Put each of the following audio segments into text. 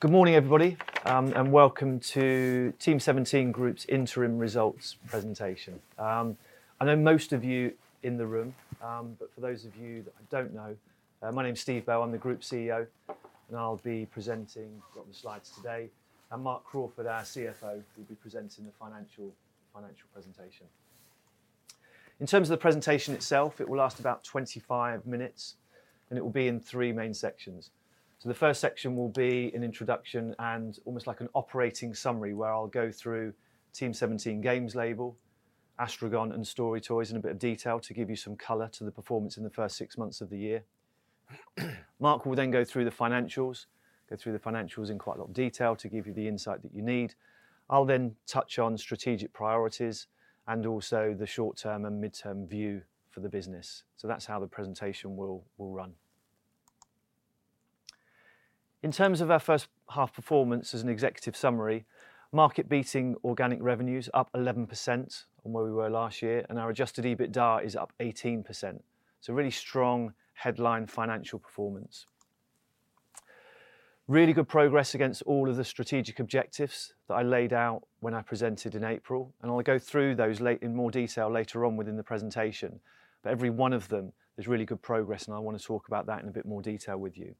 Good morning, everybody, and welcome to Team17 Group's interim results presentation. I know most of you in the room, but for those of you that I don't know, my name's Steve Bell. I'm the Group CEO, and I'll be presenting, got the slides today, and Mark Crawford, our CFO, will be presenting the financial presentation. In terms of the presentation itself, it will last about 25 minutes and it will be in three main sections. So the first section will be an introduction and almost like an operating summary where I'll go through Team17 Games Label, Astragon and StoryToys in a bit of detail to give you some color to the performance in the first six months of the year. Mark will then go through the financials in quite a lot of detail to give you the insight that you need. I'll then touch on strategic priorities and also the short-term and mid-term view for the business. So that's how the presentation will run. In terms of our first half performance as an executive summary, market-beating organic revenues up 11% from where we were last year, and our Adjusted EBITDA is up 18%. So a really strong headline financial performance. Really good progress against all of the strategic objectives that I laid out when I presented in April, and I'll go through those later on in more detail within the presentation. But every one of them, there's really good progress, and I wanna talk about that in a bit more detail with you.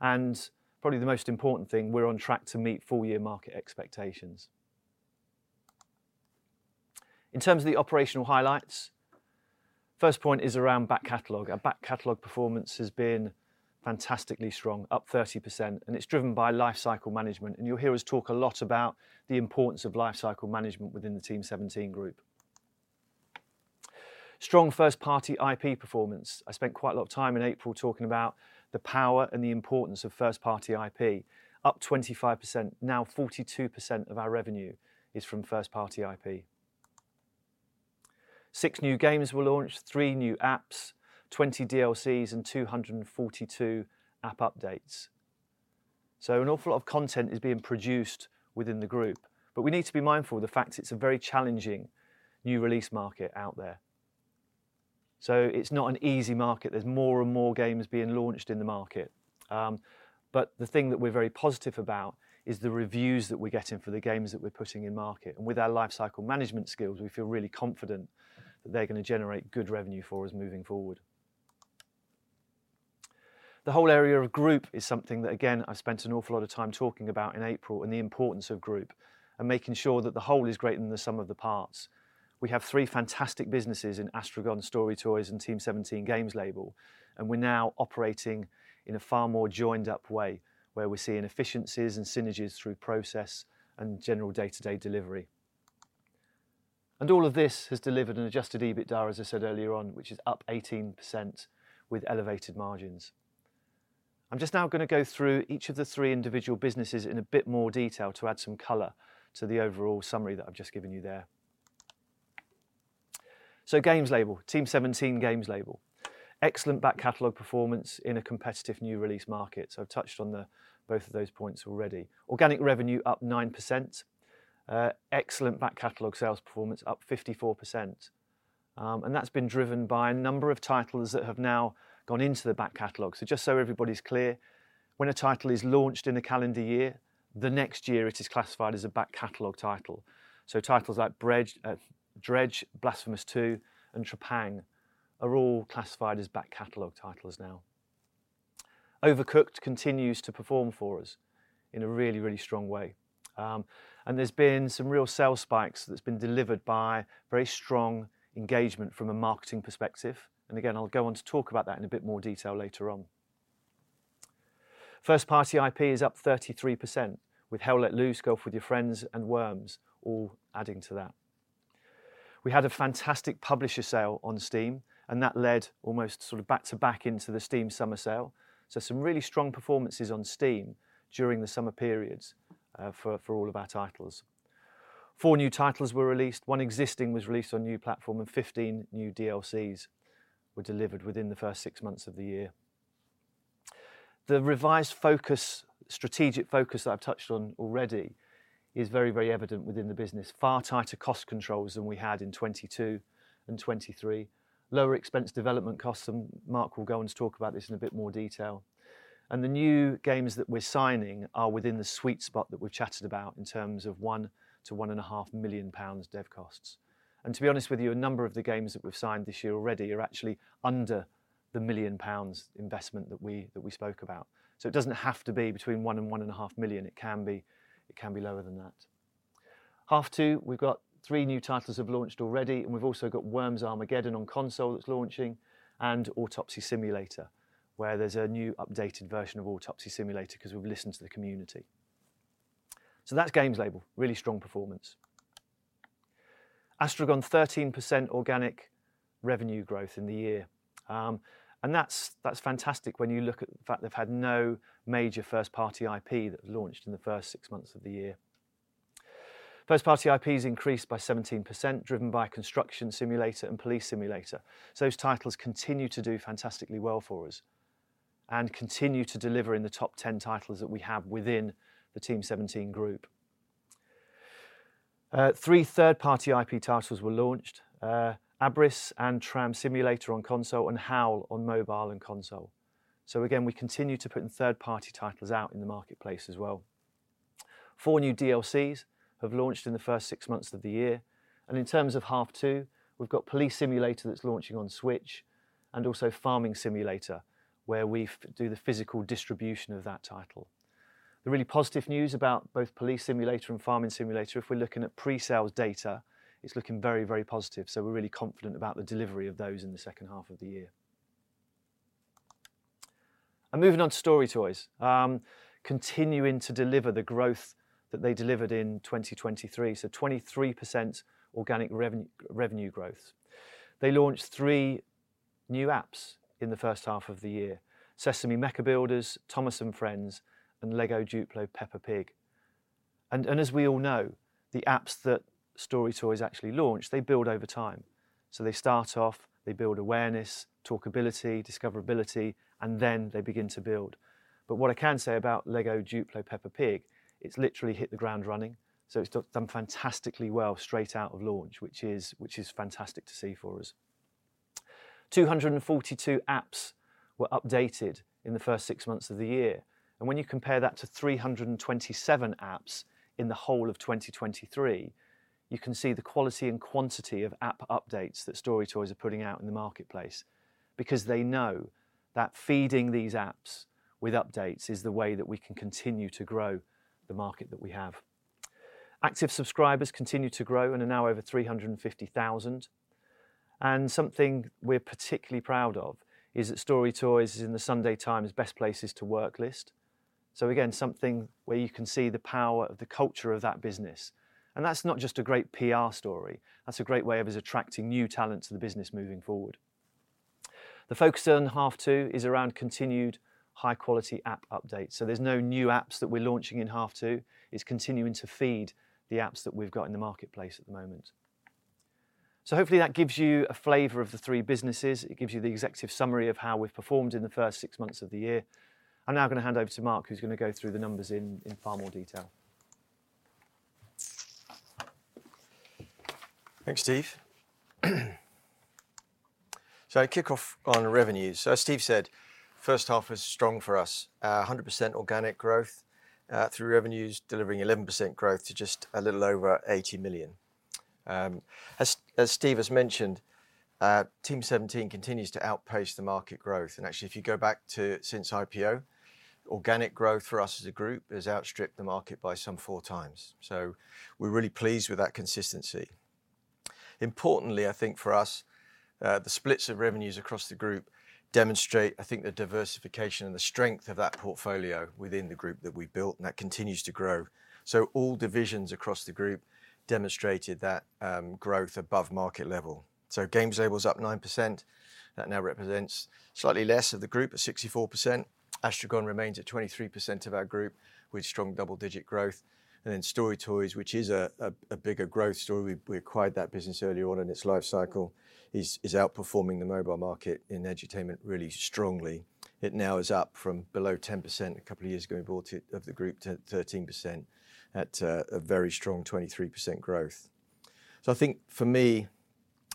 And probably the most important thing, we're on track to meet full-year market expectations. In terms of the operational highlights, first point is around back catalog. Our back catalog performance has been fantastically strong, up 30%, and it's driven by life cycle management, and you'll hear us talk a lot about the importance of life cycle management within the Team17 Group. Strong first-party IP performance. I spent quite a lot of time in April talking about the power and the importance of first-party IP, up 25%. Now, 42% of our revenue is from first-party IP. Six new games were launched, three new apps, 20 DLCs, and 242 app updates. So an awful lot of content is being produced within the group, but we need to be mindful of the fact it's a very challenging new release market out there. So it's not an easy market. There's more and more games being launched in the market. But the thing that we're very positive about is the reviews that we're getting for the games that we're putting in market, and with our life cycle management skills, we feel really confident that they're gonna generate good revenue for us moving forward. The whole area of group is something that, again, I spent an awful lot of time talking about in April, and the importance of group and making sure that the whole is greater than the sum of the parts. We have three fantastic businesses in Astragon, StoryToys, and Team17 Games Label, and we're now operating in a far more joined-up way, where we're seeing efficiencies and synergies through process and general day-to-day delivery. And all of this has delivered an Adjusted EBITDA, as I said earlier on, which is up 18% with elevated margins. I'm just now gonna go through each of the three individual businesses in a bit more detail to add some color to the overall summary that I've just given you there. So Games Label, Team17 Games Label. Excellent back catalog performance in a competitive new release market, so I've touched on the, both of those points already. Organic revenue up 9%, excellent back catalog sales performance up 54%, and that's been driven by a number of titles that have now gone into the back catalog. So just so everybody's clear, when a title is launched in the calendar year, the next year it is classified as a back catalog title. So titles like Dredge, Blasphemous 2, and Trepang2 are all classified as back catalog titles now. Overcooked continues to perform for us in a really, really strong way, and there's been some real sales spikes that's been delivered by very strong engagement from a marketing perspective. And again, I'll go on to talk about that in a bit more detail later on. First-party IP is up 33%, with Hell Let Loose, Golf With Your Friends, and Worms all adding to that. We had a fantastic publisher sale on Steam, and that led almost sort of back-to-back into the Steam summer sale, so some really strong performances on Steam during the summer periods, for all of our titles. Four new titles were released, one existing was released on a new platform, and 15 new DLCs were delivered within the first six months of the year. The revised focus, strategic focus that I've touched on already is very, very evident within the business. Far tighter cost controls than we had in 2022 and 2023. Lower expense development costs, and Mark will go on to talk about this in a bit more detail. And the new games that we're signing are within the sweet spot that we've chatted about in terms of 1-1.5 million pounds dev costs. And to be honest with you, a number of the games that we've signed this year already are actually under the 1 million pounds investment that we spoke about. So it doesn't have to be between 1 and 1.5 million. It can be lower than that. H2, we've got three new titles have launched already, and we've also got Worms Armageddon on console that's launching, and Autopsy Simulator, where there's a new updated version of Autopsy Simulator because we've listened to the community. So that's Games Label, really strong performance. Astragon, 13% organic revenue growth in the year, and that's fantastic when you look at the fact they've had no major first-party IP that launched in the first six months of the year. First-party IPs increased by 17%, driven by Construction Simulator and Police Simulator. So those titles continue to do fantastically well for us and continue to deliver in the top 10 titles that we have within the Team17 Group. Three third-party IP titles were launched, ABRISS and Tram Simulator on console, and Howl on mobile and console. So again, we continue to putting third-party titles out in the marketplace as well. Four new DLCs have launched in the first six months of the year, and in terms of half two, we've got Police Simulator that's launching on Switch, and also Farming Simulator, where we do the physical distribution of that title. The really positive news about both Police Simulator and Farming Simulator, if we're looking at pre-sales data, it's looking very, very positive, so we're really confident about the delivery of those in the second half of the year. Moving on to StoryToys. Continuing to deliver the growth that they delivered in 2023, so 23% organic revenue growth. They launched three new apps in the first half of the year: Sesame Mecha Builders, Thomas & Friends, and LEGO DUPLO Peppa Pig. As we all know, the apps that StoryToys actually launch, they build over time. So they start off, they build awareness, talkability, discoverability, and then they begin to build. But what I can say about LEGO DUPLO Peppa Pig, it's literally hit the ground running, so it's done, done fantastically well straight out of launch, which is, which is fantastic to see for us. 242 apps were updated in the first six months of the year, and when you compare that to 327 apps in the whole of 2023, you can see the quality and quantity of app updates that StoryToys are putting out in the marketplace. Because they know that feeding these apps with updates is the way that we can continue to grow the market that we have. Active subscribers continue to grow and are now over 350,000. Something we're particularly proud of is that StoryToys is in the Sunday Times Best Places to Work list. Again, something where you can see the power of the culture of that business, and that's not just a great PR story, that's a great way of us attracting new talent to the business moving forward. The focus on half two is around continued high-quality app updates, so there's no new apps that we're launching in half two. It's continuing to feed the apps that we've got in the marketplace at the moment. Hopefully that gives you a flavor of the three businesses. It gives you the executive summary of how we've performed in the first six months of the year. I'm now gonna hand over to Mark, who's gonna go through the numbers in far more detail. Thanks, Steve. So I kick off on revenues. So as Steve said, first half was strong for us. A hundred percent organic growth through revenues, delivering 11% growth to just a little over 80 million. As Steve has mentioned, Team17 continues to outpace the market growth, and actually, if you go back to since IPO, organic growth for us as a group has outstripped the market by some four times. So we're really pleased with that consistency. Importantly, I think for us, the splits of revenues across the group demonstrate, I think, the diversification and the strength of that portfolio within the group that we've built, and that continues to grow. So all divisions across the group demonstrated that growth above market level. So Games Label is up 9%. That now represents slightly less of the group at 64%. Astragon remains at 23% of our group, with strong double-digit growth. And then StoryToys, which is a bigger growth story, we acquired that business early on in its life cycle, is outperforming the mobile market in edutainment really strongly. It now is up from below 10% a couple of years ago we bought it, of the group, to 13% at a very strong 23% growth. So I think for me,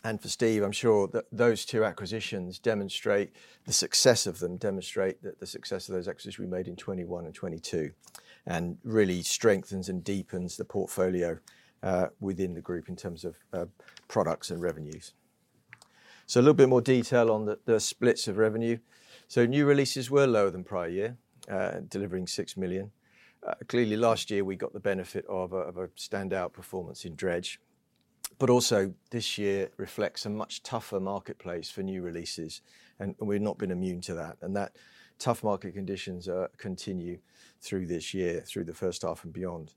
and for Steve, I'm sure, that those two acquisitions demonstrate the success of them demonstrate that the success of those acquisitions we made in 2021 and 2022, and really strengthens and deepens the portfolio within the group in terms of products and revenues. So a little bit more detail on the splits of revenue. So new releases were lower than prior year, delivering 6 million. Clearly last year, we got the benefit of a standout performance in Dredge, but also this year reflects a much tougher marketplace for new releases, and we've not been immune to that. That tough market conditions continue through this year, through the first half and beyond.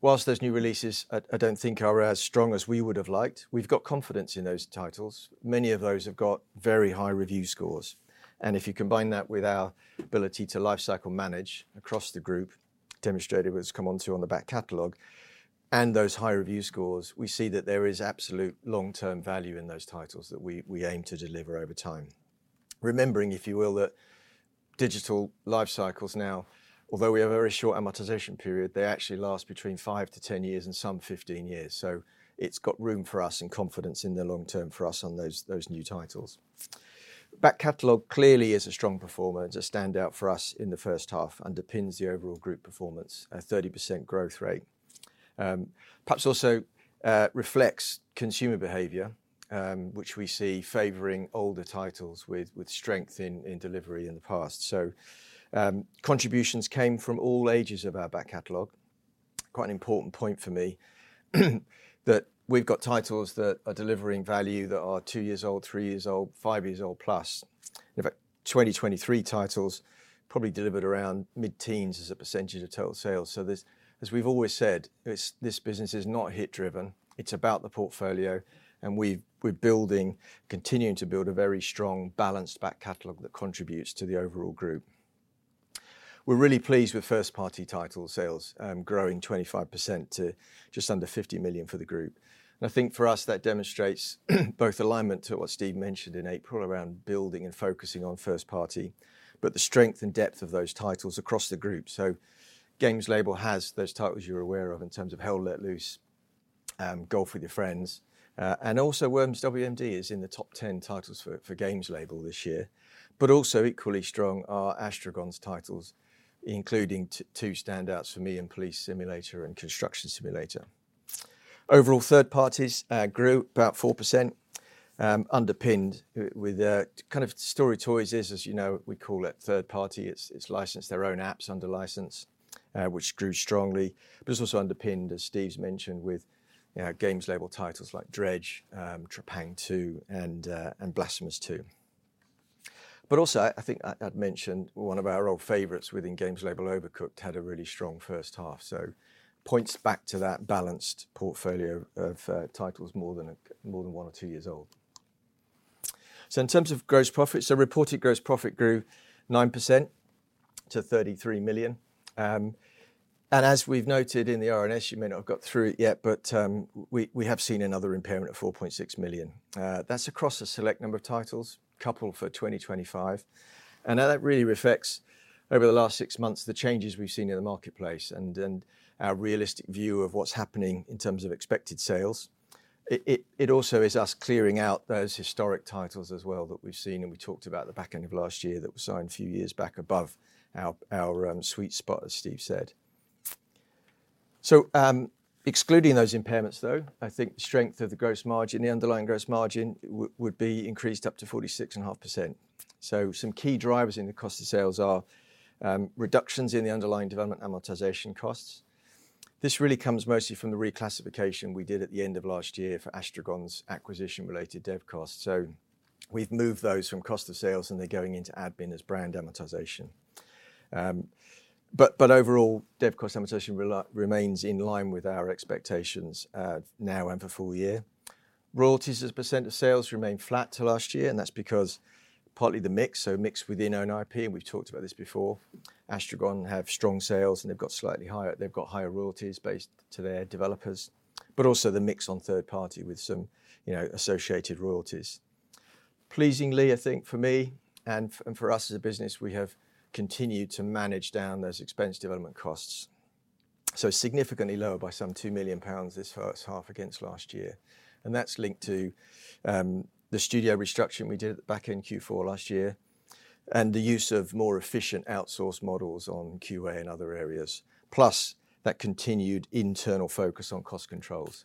While those new releases, I don't think are as strong as we would have liked, we've got confidence in those titles. Many of those have got very high review scores, and if you combine that with our ability to lifecycle manage across the group, demonstrated what we'll come onto on the back catalog, and those high review scores, we see that there is absolute long-term value in those titles that we, we aim to deliver over time. Remembering, if you will, that digital life cycles now, although we have a very short amortization period, they actually last between five to ten years and some fifteen years. So it's got room for us and confidence in the long term for us on those new titles. Back catalog clearly is a strong performer. It's a standout for us in the first half and underpins the overall group performance, a 30% growth rate. Perhaps also reflects consumer behavior, which we see favoring older titles with strength in delivery in the past. So, contributions came from all ages of our back catalog. Quite an important point for me, that we've got titles that are delivering value, that are two years old, three years old, five years old plus. In fact, 2023 titles probably delivered around mid-teens as a percentage of total sales. There's, as we've always said, this business is not hit-driven. It's about the portfolio, and we're building, continuing to build a very strong, balanced back catalog that contributes to the overall group. We're really pleased with first-party title sales growing 25% to just under 50 million for the group. And I think for us, that demonstrates both alignment to what Steve mentioned in April around building and focusing on first-party, but the strength and depth of those titles across the group. So Games Label has those titles you're aware of in terms of Hell Let Loose, Golf With Your Friends. And also Worms W.M.D is in the top 10 titles for Games Label this year. But also equally strong are Astragon's titles, including two standouts for me in Police Simulator and Construction Simulator. Overall, third parties grew about 4%, underpinned with kind of StoryToys is, as you know, we call it third party. It's licensed their own apps under license, which grew strongly, but it's also underpinned, as Steve's mentioned, with, you know, Games Label titles like Dredge, Trepang2, and Blasphemous 2. But also, I think I'd mentioned one of our old favorites within Games Label, Overcooked, had a really strong first half, so points back to that balanced portfolio of titles more than one or two years old. So in terms of gross profit, reported gross profit grew 9% to 33 million. And as we've noted in the RNS, you may not have got through it yet, but we have seen another impairment of 4.6 million. That's across a select number of titles, couple for 2025, and that really reflects over the last six months, the changes we've seen in the marketplace and our realistic view of what's happening in terms of expected sales. It also is us clearing out those historic titles as well that we've seen, and we talked about the back end of last year, that were signed a few years back above our sweet spot, as Steve said. So, excluding those impairments, though, I think the strength of the gross margin, the underlying gross margin, would be increased up to 46.5%. So some key drivers in the cost of sales are reductions in the underlying development amortization costs. This really comes mostly from the reclassification we did at the end of last year for Astragon's acquisition-related dev costs. So we've moved those from cost of sales, and they're going into admin as brand amortization. But overall, dev cost amortization remains in line with our expectations, now and for full year. Royalties as a % of sales remain flat to last year, and that's because partly the mix, so mix with in own IP, and we've talked about this before. Astragon have strong sales, and they've got slightly higher, they've got higher royalties based to their developers, but also the mix on third party with some, you know, associated royalties. Pleasingly, I think for me and for us as a business, we have continued to manage down those expense development costs. Significantly lower by some 2 million pounds this first half against last year, and that's linked to the studio restructuring we did at the back end of Q4 last year, and the use of more efficient outsource models on QA and other areas, plus that continued internal focus on cost controls,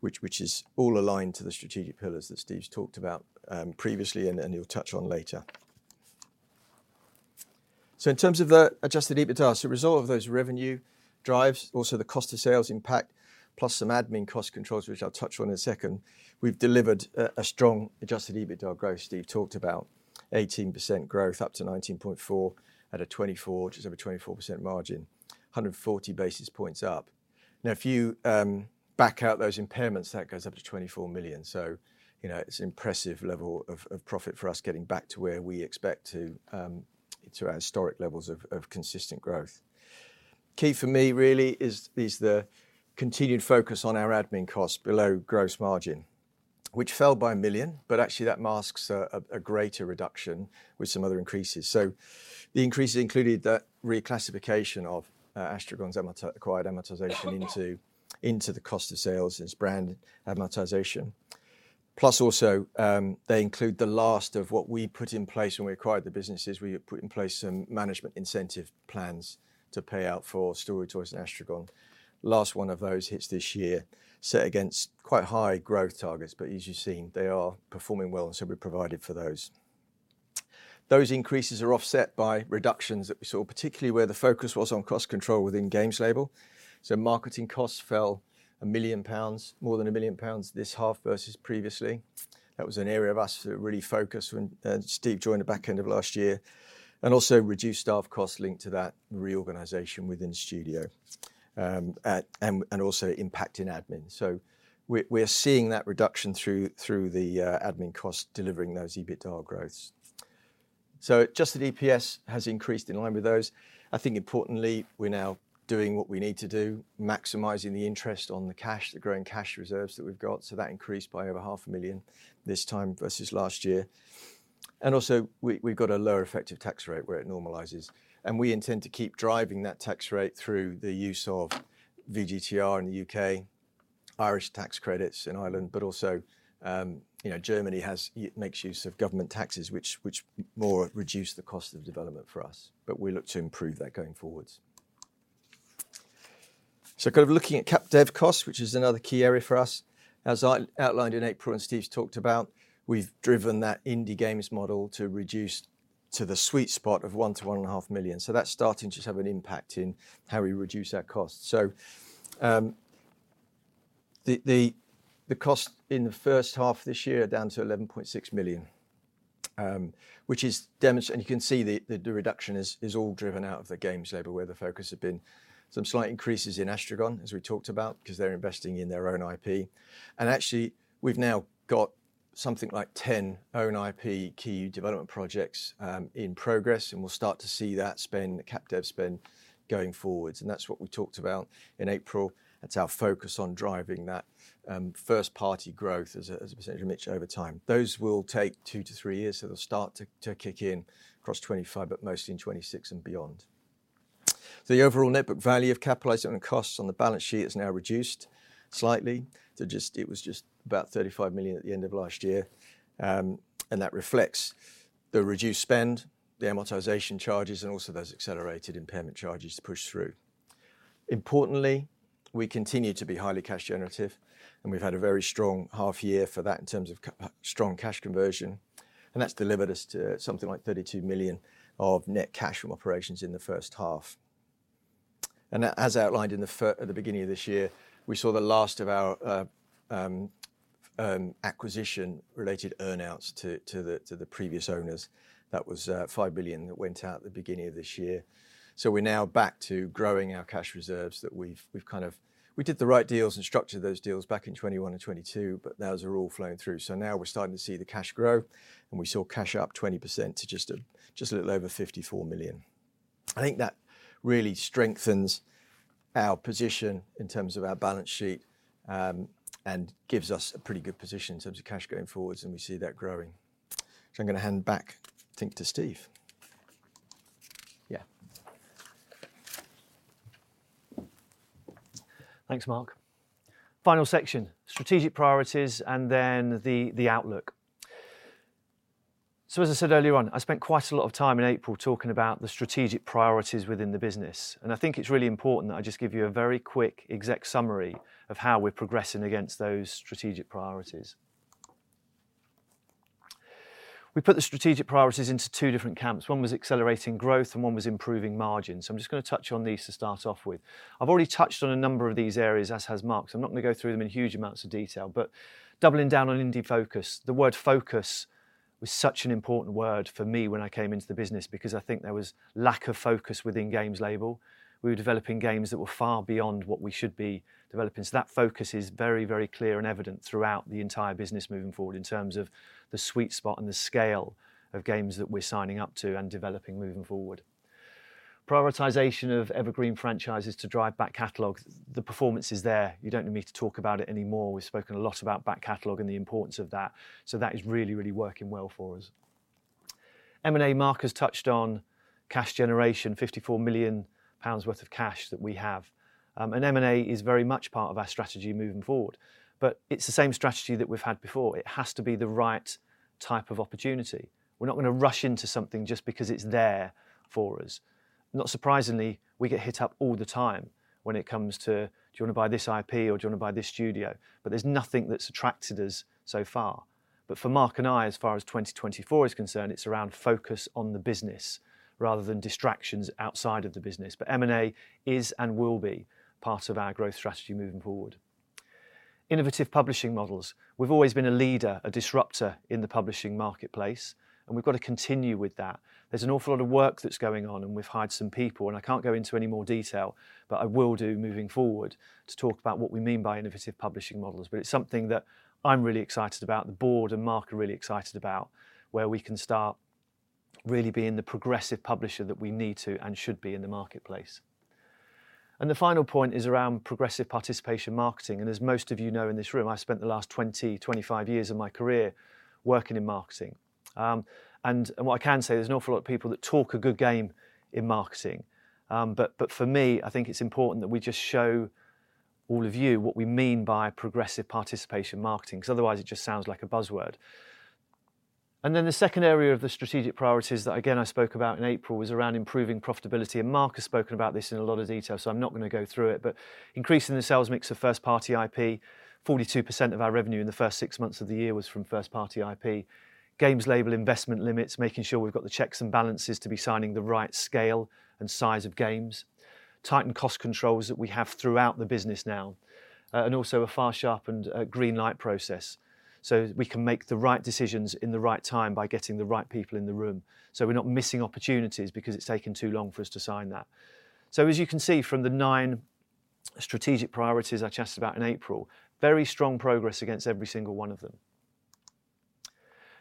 which is all aligned to the strategic pillars that Steve's talked about previously and he'll touch on later. In terms of the adjusted EBITDA, as a result of those revenue drives, also the cost of sales impact, plus some admin cost controls, which I'll touch on in a second, we've delivered a strong adjusted EBITDA growth. Steve talked about 18% growth, up to 19.4% at a 24, just over 24% margin, 140 basis points up. Now, if you back out those impairments, that goes up to 24 million. So, you know, it's an impressive level of profit for us, getting back to where we expect to our historic levels of consistent growth. Key for me really is the continued focus on our admin costs below gross margin, which fell by 1 million, but actually that masks a greater reduction with some other increases. So the increases included the reclassification of Astragon's acquired amortization into the cost of sales as brand amortization. Plus, also, they include the last of what we put in place when we acquired the businesses. We had put in place some management incentive plans to pay out for StoryToys and Astragon. Last one of those hits this year, set against quite high growth targets, but as you've seen, they are performing well, and so we provided for those. Those increases are offset by reductions that we saw, particularly where the focus was on cost control within Games Label. So marketing costs fell 1 million pounds, more than 1 million pounds this half versus previously. That was an area of us that really focused when Steve joined the back end of last year, and also reduced staff costs linked to that reorganization within studio and also impact in admin. So we're seeing that reduction through the admin costs, delivering those EBITDA growths. So adjusted EPS has increased in line with those. I think importantly, we're now doing what we need to do, maximizing the interest on the cash, the growing cash reserves that we've got. That increased by over 500,000 this time versus last year. Also, we, we've got a lower effective tax rate where it normalises, and we intend to keep driving that tax rate through the use of VGTR in the UK, Irish tax credits in Ireland, but also, you know, Germany makes use of government taxes, which more reduce the cost of development for us, but we look to improve that going forwards. Kind of looking at cap dev costs, which is another key area for us. As I outlined in April and Steve talked about, we've driven that indie games model to reduce to the sweet spot of 1-1.5 million. That's starting to have an impact in how we reduce our costs. The cost in the first half of this year is down to 11.6 million, which is down, and you can see the reduction is all driven out of the Games Label, where the focus had been. Some slight increases in Astragon, as we talked about, because they're investing in their own IP, and actually, we've now got something like 10 own IP key development projects in progress, and we'll start to see that spend, the cap dev spend, going forwards, and that's what we talked about in April. That's our focus on driving that first-party growth as a percentage over time. Those will take two to three years, so they'll start to kick in across 2025, but mostly in 2026 and beyond. The overall net book value of capitalized on the costs on the balance sheet has now reduced slightly to just, it was just about 35 million at the end of last year, and that reflects the reduced spend, the amortization charges, and also those accelerated impairment charges pushed through. Importantly, we continue to be highly cash generative, and we've had a very strong half year for that in terms of strong cash conversion, and that's delivered us to something like 32 million of net cash from operations in the first half, and as outlined at the beginning of this year, we saw the last of our acquisition related earn-outs to the previous owners. That was 5 billion that went out at the beginning of this year. We're now back to growing our cash reserves that we've kind of. We did the right deals and structured those deals back in 2021 and 2022, but those are all flowing through. Now we're starting to see the cash grow, and we saw cash up 20% to just a little over 54 million. I think that really strengthens our position in terms of our balance sheet, and gives us a pretty good position in terms of cash going forward, and we see that growing. I'm gonna hand back, I think, to Steve. Yeah. Thanks, Mark. Final section, strategic priorities, and then the outlook. So, as I said earlier on, I spent quite a lot of time in April talking about the strategic priorities within the business, and I think it's really important that I just give you a very quick, exact summary of how we're progressing against those strategic priorities. We put the strategic priorities into two different camps. One was accelerating growth, and one was improving margins. So I'm just gonna touch on these to start off with. I've already touched on a number of these areas, as has Mark, so I'm not gonna go through them in huge amounts of detail, but doubling down on indie focus. The word "focus" was such an important word for me when I came into the business because I think there was lack of focus within Games Label. We were developing games that were far beyond what we should be developing, so that focus is very, very clear and evident throughout the entire business moving forward in terms of the sweet spot and the scale of games that we're signing up to and developing moving forward. Prioritization of evergreen franchises to drive back catalog. The performance is there. You don't need me to talk about it anymore. We've spoken a lot about back catalog and the importance of that, so that is really, really working well for us. M&A, Mark has touched on cash generation, 54 million pounds worth of cash that we have, and M&A is very much part of our strategy moving forward, but it's the same strategy that we've had before. It has to be the right type of opportunity. We're not gonna rush into something just because it's there for us. Not surprisingly, we get hit up all the time when it comes to, "Do you wanna buy this IP, or do you wanna buy this studio?" But there's nothing that's attracted us so far. But for Mark and I, as far as twenty 2024 is concerned, it's around focus on the business rather than distractions outside of the business. But M&A is and will be part of our growth strategy moving forward. Innovative publishing models. We've always been a leader, a disruptor in the publishing marketplace, and we've got to continue with that. There's an awful lot of work that's going on, and we've hired some people, and I can't go into any more detail, but I will do moving forward to talk about what we mean by innovative publishing models. It's something that I'm really excited about, the board and Mark are really excited about, where we can start really being the progressive publisher that we need to and should be in the marketplace. The final point is around progressive participation marketing. As most of you know in this room, I spent the last twenty, 2025 years of my career working in marketing. What I can say, there's an awful lot of people that talk a good game in marketing. But for me, I think it's important that we just show all of you what we mean by progressive participation marketing, because otherwise it just sounds like a buzzword. And then the second area of the strategic priorities that, again, I spoke about in April, was around improving profitability, and Mark has spoken about this in a lot of detail, so I'm not gonna go through it, but increasing the sales mix of first-party IP. 42% of our revenue in the first six months of the year was from first-party IP. Games Label investment limits, making sure we've got the checks and balances to be signing the right scale and size of games, tightened cost controls that we have throughout the business now, and also a far sharpened greenlight process, so we can make the right decisions in the right time by getting the right people in the room, so we're not missing opportunities because it's taken too long for us to sign that. So as you can see from the nine strategic priorities I chatted about in April, very strong progress against every single one of them.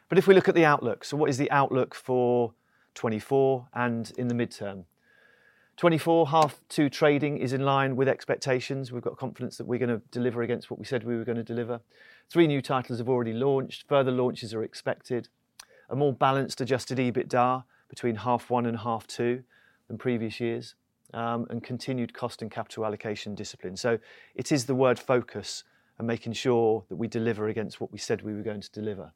But if we look at the outlook, so what is the outlook for 2024 and in the midterm? 2024 half two trading is in line with expectations. We've got confidence that we're gonna deliver against what we said we were gonna deliver. Three new titles have already launched. Further launches are expected. A more balanced, Adjusted EBITDA between half one and half two than previous years, and continued cost and capital allocation discipline. So it is the word focus and making sure that we deliver against what we said we were going to deliver.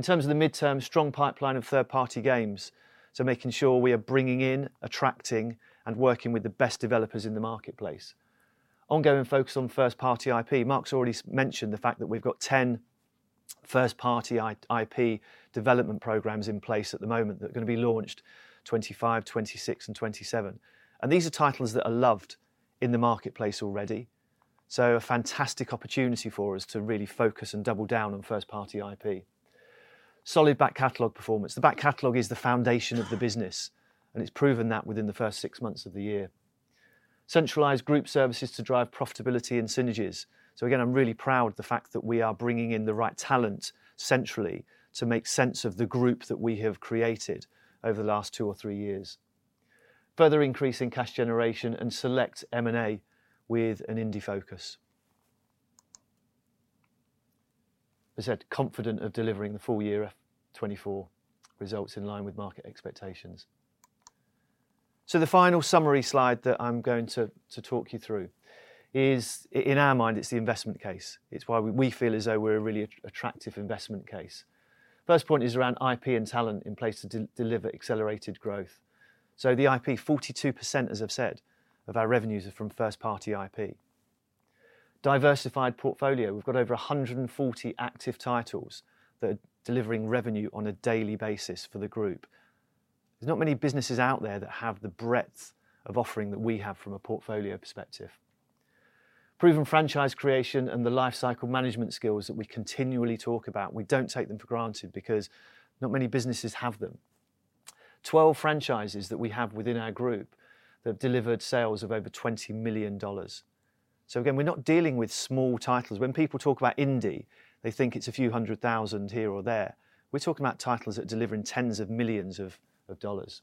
In terms of the midterm, strong pipeline of third-party games, so making sure we are bringing in, attracting, and working with the best developers in the marketplace. Ongoing focus on first-party IP. Mark's already mentioned the fact that we've got 10 first-party IP development programs in place at the moment that are gonna be launched 2025, 2026, and 2027. And these are titles that are loved in the marketplace already, so a fantastic opportunity for us to really focus and double down on first-party IP. Solid back catalog performance. The back catalog is the foundation of the business, and it's proven that within the first six months of the year. Centralized group services to drive profitability and synergies. So again, I'm really proud of the fact that we are bringing in the right talent centrally to make sense of the group that we have created over the last two or three years. Further increase in cash generation and select M&A with an indie focus. As I said, confident of delivering the full year FY 2024 results in line with market expectations. So the final summary slide that I'm going to talk you through is in our mind, it's the investment case. It's why we feel as though we're a really attractive investment case. First point is around IP and talent in place to deliver accelerated growth. So the IP, 42%, as I've said, of our revenues are from first party IP. Diversified portfolio, we've got over 140 active titles that are delivering revenue on a daily basis for the group. There's not many businesses out there that have the breadth of offering that we have from a portfolio perspective. Proven franchise creation and the lifecycle management skills that we continually talk about, we don't take them for granted because not many businesses have them. 12 franchises that we have within our group that have delivered sales of over $20 million. So again, we're not dealing with small titles. When people talk about indie, they think it's a few hundred thousand here or there. We're talking about titles that are delivering tens of millions of, of dollars.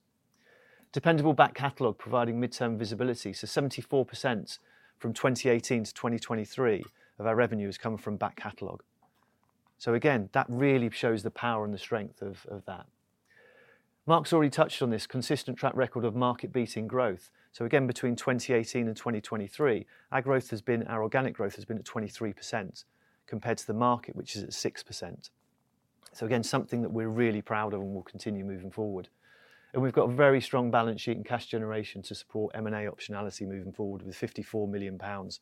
Dependable back catalog providing midterm visibility, so 74% from 2018 to 2023 of our revenue has come from back catalog. So again, that really shows the power and the strength of, of that. Mark's already touched on this, consistent track record of market-beating growth. So again, between 2018 and 2023, our growth has been... Our organic growth has been at 23%, compared to the market, which is at 6%. So again, something that we're really proud of and will continue moving forward. We've got a very strong balance sheet and cash generation to support M&A optionality moving forward with 54 million pounds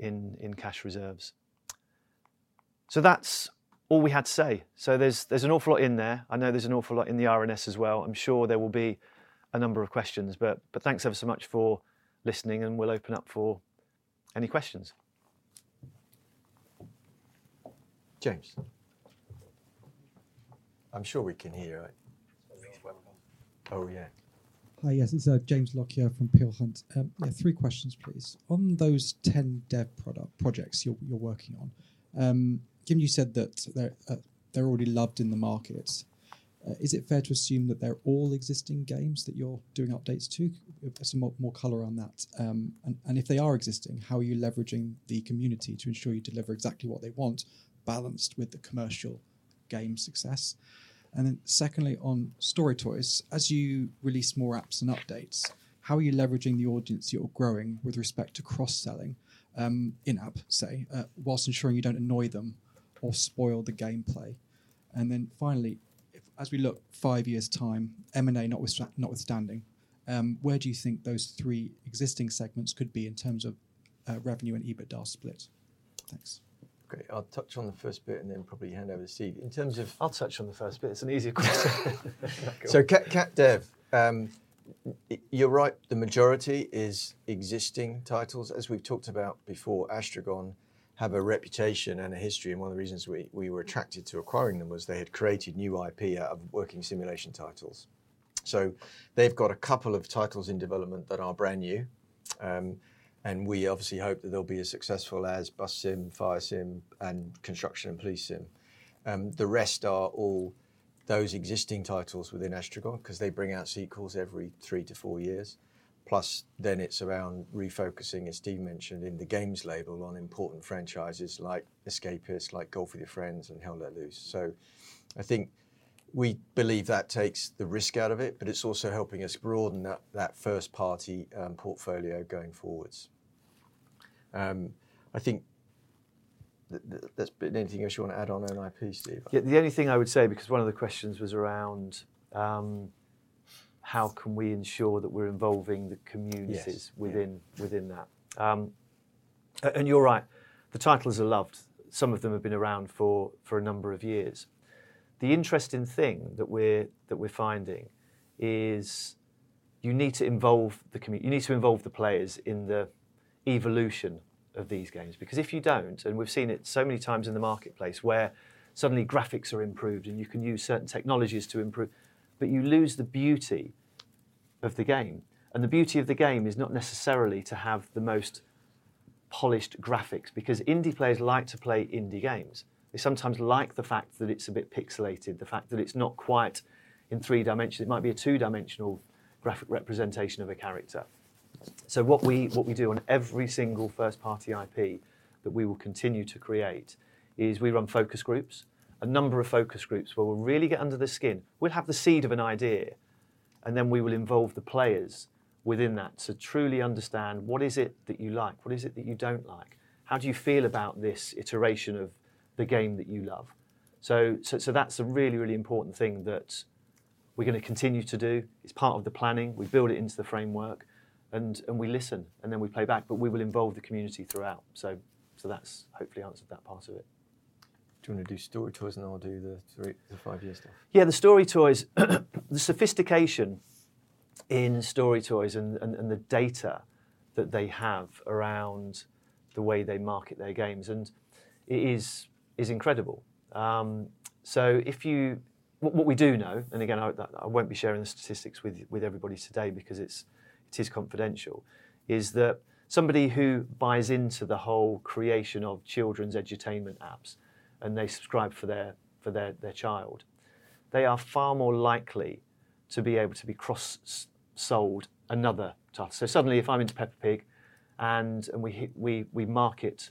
in cash reserves. So that's all we had to say. So there's an awful lot in there. I know there's an awful lot in the RNS as well. I'm sure there will be a number of questions, but thanks ever so much for listening, and we'll open up for any questions. James? I'm sure we can hear it. Oh, yeah. Hi, yes, it's James Lockyer from Peel Hunt. I have three questions, please. On those 10 dev projects you're working on, Steve, you said that they're already loved in the market. Is it fair to assume that they're all existing games that you're doing updates to? Put some more color on that. And if they are existing, how are you leveraging the community to ensure you deliver exactly what they want, balanced with the commercial game success? And then secondly, on StoryToys, as you release more apps and updates, how are you leveraging the audience you're growing with respect to cross-selling, in-app say, while ensuring you don't annoy them or spoil the gameplay? And then finally, as we look five years' time, notwithstanding, where do you think those three existing segments could be in terms of revenue and EBITDA split? Thanks. Great. I'll touch on the first bit and then probably hand over to Steve. In terms of- I'll touch on the first bit. It's an easier question. CapDev, you're right, the majority is existing titles. As we've talked about before, Astragon have a reputation and a history, and one of the reasons we were attracted to acquiring them was they had created new IP out of working simulation titles. They've got a couple of titles in development that are brand new, and we obviously hope that they'll be as successful as Bus Sim, Fire Sim, and Construction and Police Sim. The rest are all those existing titles within Astragon, because they bring out sequels every three to four years. Plus, then it's around refocusing, as Steve mentioned, in the Games label on important franchises like Escapists, like Golf with your Friends and Hell Let Loose. So I think we believe that takes the risk out of it, but it's also helping us broaden that first-party portfolio going forward. I think there's... Anything else you want to add on an IP, Steve? Yeah, the only thing I would say, because one of the questions was around, how can we ensure that we're involving the communities within that. And you're right, the titles are loved. Some of them have been around for a number of years. The interesting thing that we're finding is you need to involve the players in the evolution of these games. Because if you don't, and we've seen it so many times in the marketplace, where suddenly graphics are improved and you can use certain technologies to improve, but you lose the beauty of the game. And the beauty of the game is not necessarily to have the most polished graphics, because indie players like to play indie games. They sometimes like the fact that it's a bit pixelated, the fact that it's not quite in three dimensions. It might be a two-dimensional graphic representation of a character. So what we do on every single first-party IP that we will continue to create is we run focus groups, a number of focus groups, where we'll really get under the skin. We'll have the seed of an idea, and then we will involve the players within that to truly understand, what is it that you like? What is it that you don't like? How do you feel about this iteration of the game that you love? So that's a really, really important thing that we're gonna continue to do. It's part of the planning. We build it into the framework, and we listen, and then we play back, but we will involve the community throughout. So that's hopefully answered that part of it. Do you wanna do StoryToys, and I'll do the three, the five-year stuff? Yeah, the StoryToys. The sophistication in StoryToys and the data that they have around the way they market their games, and it is incredible. What we do know, and again, I won't be sharing the statistics with everybody today because it is confidential, is that somebody who buys into the whole creation of children's edutainment apps, and they subscribe for their child, they are far more likely to be able to be cross-sold another title. So suddenly, if I'm into Peppa Pig, and we market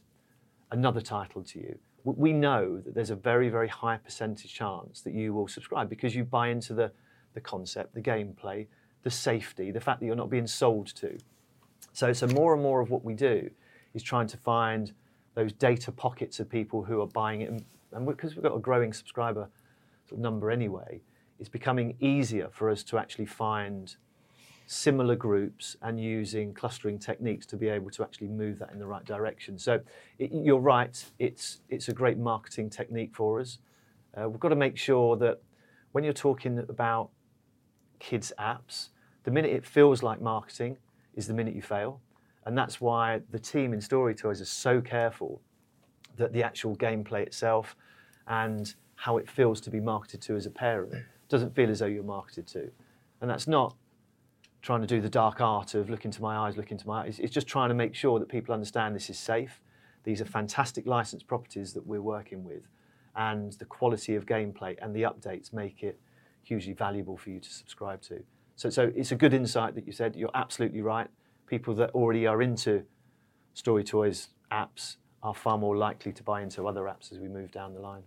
another title to you, we know that there's a very high percentage chance that you will subscribe because you buy into the concept, the gameplay, the safety, the fact that you're not being sold to. More and more of what we do is trying to find those data pockets of people who are buying it, and because we've got a growing subscriber sort of number anyway, it's becoming easier for us to actually find similar groups and using clustering techniques to be able to actually move that in the right direction. So you're right, it's a great marketing technique for us. We've got to make sure that when you're talking about kids' apps, the minute it feels like marketing is the minute you fail, and that's why the team in StoryToys is so careful that the actual gameplay itself and how it feels to be marketed to as a parent, doesn't feel as though you're marketed to. That's not trying to do the dark art of, "Look into my eyes, look into my eyes." It's, it's just trying to make sure that people understand this is safe. These are fantastic licensed properties that we're working with, and the quality of gameplay and the updates make it hugely valuable for you to subscribe to. So, so it's a good insight that you said. You're absolutely right. People that already are into StoryToys apps are far more likely to buy into other apps as we move down the line.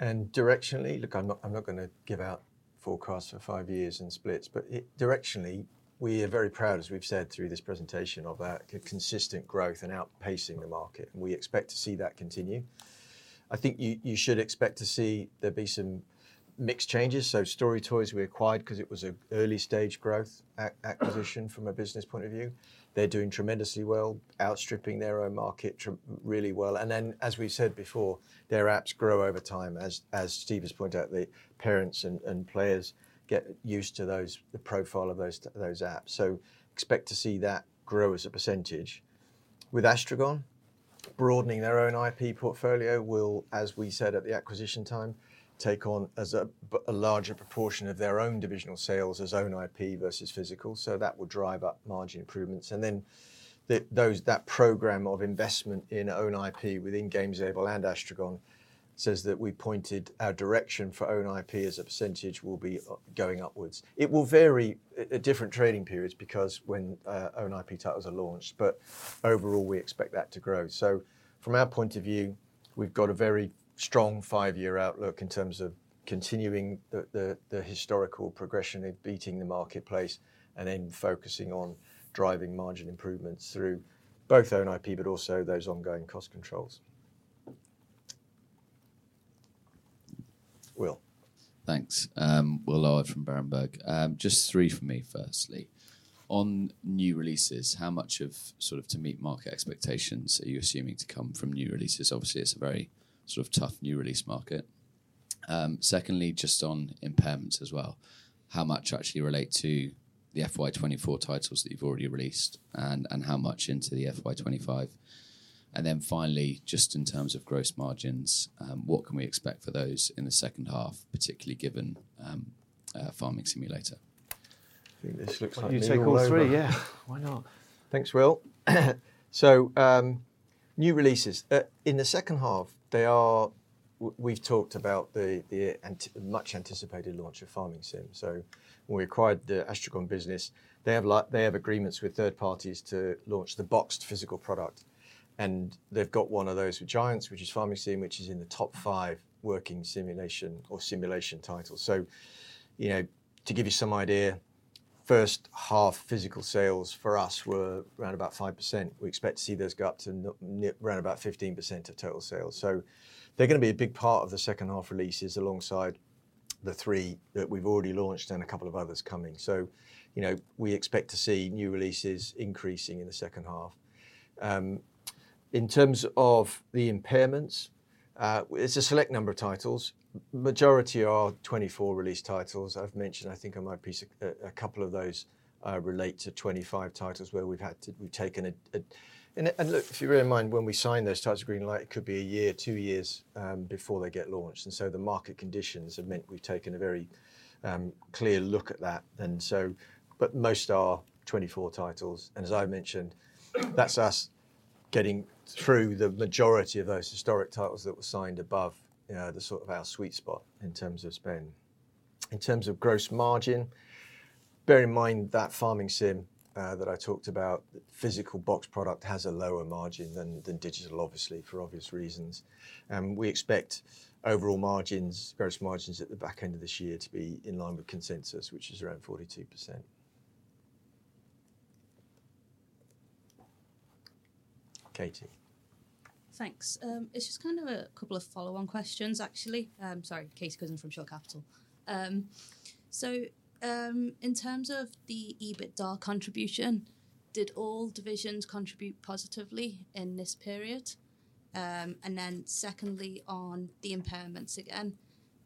Directionally, look, I'm not gonna give out forecasts for five years and splits, but it. Directionally, we are very proud, as we've said through this presentation, of our consistent growth and outpacing the market, and we expect to see that continue. I think you should expect to see there be some mix changes. So StoryToys we acquired because it was an early-stage growth acquisition from a business point of view. They're doing tremendously well, outstripping their own market really well. And then, as we said before, their apps grow over time. As Steve has pointed out, the parents and players get used to those, the profile of those apps. So expect to see that grow as a percentage. With Astragon, broadening their own IP portfolio will, as we said at the acquisition time, take on as a larger proportion of their own divisional sales as own IP versus physical, so that will drive up margin improvements. And then, that program of investment in own IP within Games Label and Astragon shows that we pointed our direction for own IP as a percentage will be going upwards. It will vary at different trading periods because when own IP titles are launched, but overall, we expect that to grow. So from our point of view, we've got a very strong five-year outlook in terms of continuing the historical progression in beating the marketplace, and then focusing on driving margin improvements through both own IP, but also those ongoing cost controls. Will? Thanks. Will Larwood from Berenberg. Just three from me, firstly. On new releases, how much of, sort of to meet market expectations, are you assuming to come from new releases? Obviously, it's a very sort of tough new release market. Secondly, just on impairments as well, how much actually relate to the FY 2024 titles that you've already released, and how much into the FY 2025? And then finally, just in terms of gross margins, what can we expect for those in the second half, particularly given Farming Simulator? I think this looks like you, Lloyd. Why don't you take all three? Yeah, why not? Thanks, Will. So, new releases. In the second half, they are. We've talked about the much-anticipated launch of Farming Sim. So when we acquired the Astragon business, they have agreements with third parties to launch the boxed physical product, and they've got one of those with Giants, which is Farming Sim, which is in the top five working simulation or simulation titles. So, you know, to give you some idea, first half physical sales for us were around about 5%. We expect to see those go up to around about 15% of total sales. So they're gonna be a big part of the second half releases, alongside the three that we've already launched and a couple of others coming. So, you know, we expect to see new releases increasing in the second half. In terms of the impairments, it's a select number of titles. Majority are 2024 release titles. I've mentioned, I think, on my piece, a couple of those relate to 2025 titles, where we've had to... We've taken a... And look, if you bear in mind, when we sign those titles greenlight, it could be a year, two years, before they get launched, and so the market conditions have meant we've taken a very clear look at that. And so, but most are 2024 titles, and as I mentioned, that's us getting through the majority of those historic titles that were signed above the sort of our sweet spot in terms of spend. In terms of gross margin, bear in mind that Farming Sim, that I talked about, the physical boxed product has a lower margin than the digital, obviously, for obvious reasons. And we expect overall margins, gross margins at the back end of this year to be in line with consensus, which is around 42%. Katie? Thanks. It's just kind of a couple of follow-on questions, actually. Sorry, Katie Cousins from Shore Capital. So, in terms of the EBITDA contribution, did all divisions contribute positively in this period? And then secondly, on the impairments again,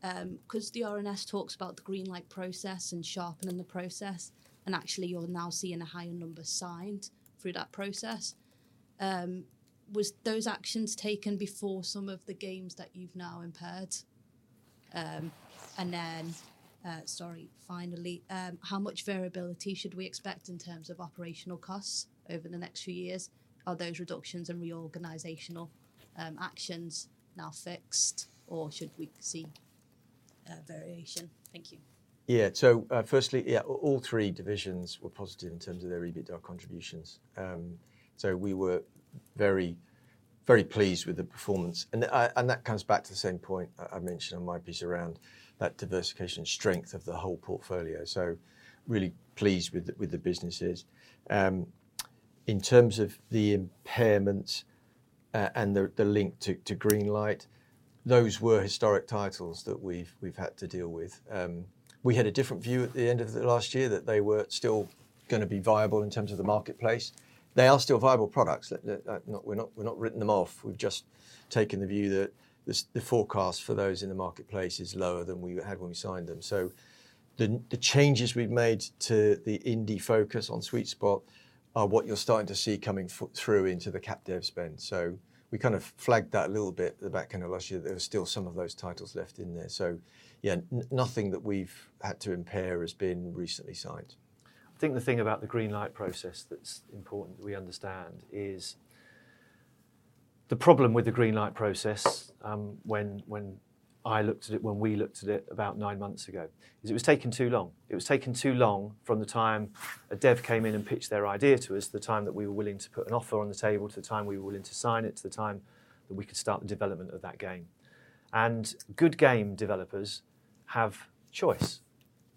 because the RNS talks about the greenlight process and sharpening the process, and actually you're now seeing a higher number signed through that process, was those actions taken before some of the games that you've now impaired? And then, sorry, finally, how much variability should we expect in terms of operational costs over the next few years? Are those reductions and reorganizational actions now fixed, or should we see variation. Thank you. Yeah, so, firstly, yeah, all three divisions were positive in terms of their EBITDA contributions, so we were very, very pleased with the performance, and that comes back to the same point that I mentioned on my piece around that diversification strength of the whole portfolio, so really pleased with the businesses. In terms of the impairments, and the link to greenlight, those were historic titles that we've had to deal with. We had a different view at the end of the last year that they were still gonna be viable in terms of the marketplace. They are still viable products. We're not, we've not written them off, we've just taken the view that the forecast for those in the marketplace is lower than we had when we signed them. So the changes we've made to the indie focus on Sweet Spot are what you're starting to see coming through into the captive spend. So we kind of flagged that a little bit at the back end of last year, there were still some of those titles left in there. So yeah, nothing that we've had to impair has been recently signed. I think the thing about the greenlight process that's important that we understand is the problem with the greenlight process. When we looked at it about nine months ago, it was taking too long. It was taking too long from the time a dev came in and pitched their idea to us, to the time that we were willing to put an offer on the table, to the time we were willing to sign it, to the time that we could start the development of that game. Good game developers have choice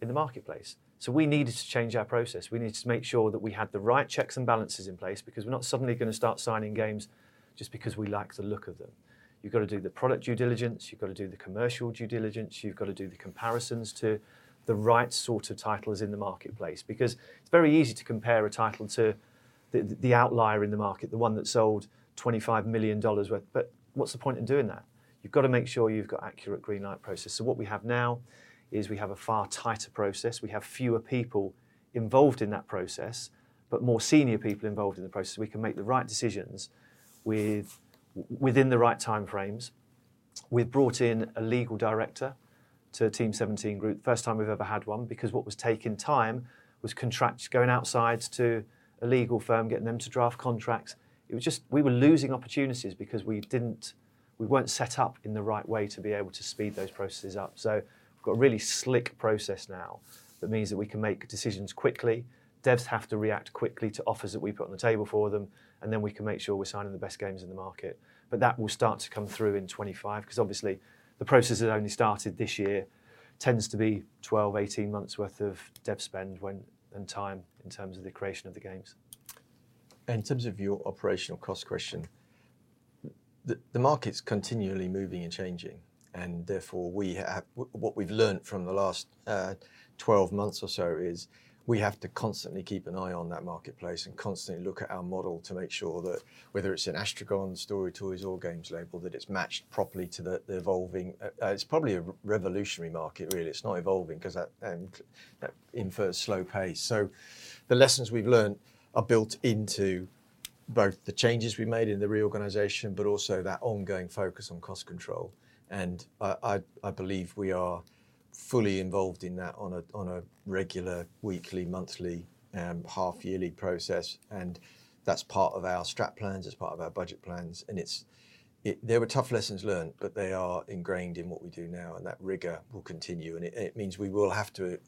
in the marketplace. We needed to change our process. We needed to make sure that we had the right checks and balances in place, because we're not suddenly gonna start signing games just because we like the look of them. You've got to do the product due diligence, you've got to do the commercial due diligence, you've got to do the comparisons to the right sort of titles in the marketplace. Because it's very easy to compare a title to the outlier in the market, the one that sold $25 million worth, but what's the point in doing that? You've got to make sure you've got accurate greenlight process. So what we have now is we have a far tighter process. We have fewer people involved in that process, but more senior people involved in the process, so we can make the right decisions within the right time frames. We've brought in a legal director to Team17 Group, first time we've ever had one, because what was taking time was contracts going outside to a legal firm, getting them to draft contracts. It was just, we were losing opportunities because we didn't... We weren't set up in the right way to be able to speed those processes up. So we've got a really slick process now, that means that we can make decisions quickly. Devs have to react quickly to offers that we put on the table for them, and then we can make sure we're signing the best games in the market. But that will start to come through in 2025, because obviously, the process that only started this year tends to be 12-18 months' worth of dev spend, and time, in terms of the creation of the games. In terms of your operational cost question, the market's continually moving and changing, and therefore, we have, what we've learnt from the last twelve months or so, is we have to constantly keep an eye on that marketplace and constantly look at our model to make sure that whether it's in Astragon, StoryToys, or Games Label, that it's matched properly to the evolving. It's probably a revolutionary market, really. It's not evolving, because that infers slow pace. So the lessons we've learnt are built into both the changes we made in the reorganization, but also that ongoing focus on cost control. I believe we are fully involved in that on a regular, weekly, monthly, half-yearly process, and that's part of our strat plans, it's part of our budget plans, and it's they were tough lessons learned, but they are ingrained in what we do now, and that rigor will continue. It means we will have to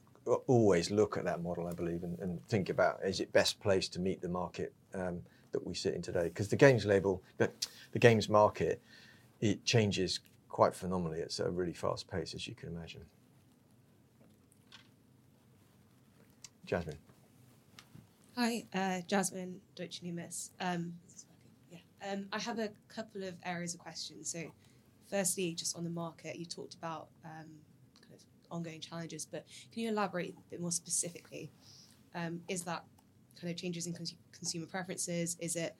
always look at that model, I believe, and think about, is it best placed to meet the market that we sit in today? 'Cause the Games label, the games market, it changes quite phenomenally. It's a really fast pace, as you can imagine. Jasmine. Hi, Jasmine, Deutsche Numis. Is this working? Yeah. I have a couple of areas of questions. So firstly, just on the market, you talked about kind of ongoing challenges, but can you elaborate a bit more specifically? Is that kind of changes in consumer preferences? Is it